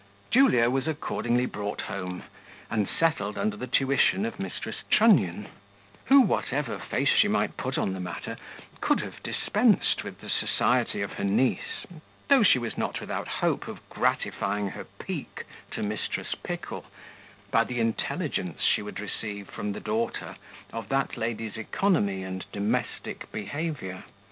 Julia was accordingly brought home, and settled under the tuition of Mrs. Trunnion, who, whatever face she might put on the matter, could have dispensed with the society of her niece, though she was not without hope of gratifying her pique to Mrs. Pickle, by the intelligence she would receive from the daughter of that lady's economy and domestic behaviour.